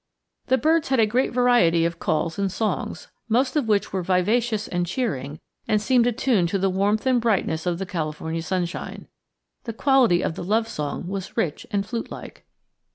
The birds had a great variety of calls and songs, most of which were vivacious and cheering and seemed attuned to the warmth and brightness of the California sunshine. The quality of the love song was rich and flute like.